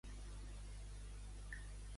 Què més ha criticat Nart?